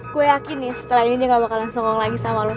gue yakin nih setelah ini dia gak bakalan songgong lagi sama lo